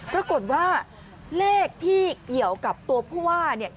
ปรากฏว่าเลขที่เกี่ยวกับตัวผู้ว่าเนี่ย